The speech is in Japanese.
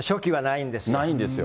ないんですよ。